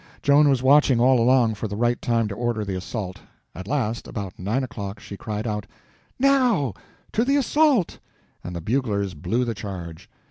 Joan was watching all along for the right time to order the assault. At last, about nine o'clock, she cried out: "Now—to the assault!" and the buglers blew the charge.